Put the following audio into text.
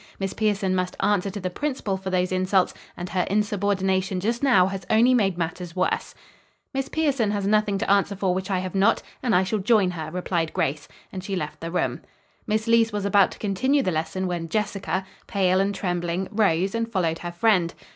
Miss Pierson must answer to the principal for those insults, and her insubordination just now has only made matters worse." "Miss Pierson has nothing to answer for which I have not, and I shall join her," replied Grace, and she left the room. Miss Leece was about to continue the lesson when Jessica, pale and trembling, rose and followed her friend.